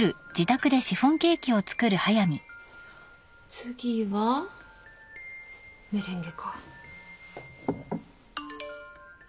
次はメレンゲか。